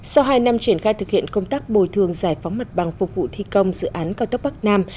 sau hai năm triển khai thực hiện công tác bồi thường giải phóng mặt bằng phục vụ thi công dự án cao tốc bắc nam